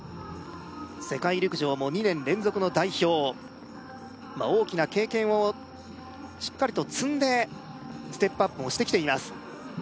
世界陸上も２年連続の代表まあ大きな経験をしっかりと積んでステップアップもしてきています